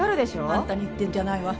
あんたに言ってるんじゃないわ。